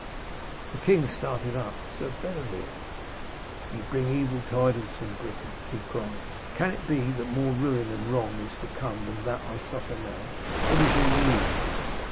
The king started up. 'Sir Bedevere, ye bring evil tidings from Britain,' he cried. 'Can it be that more ruin and wrong is to come than that I suffer now? What is your news?'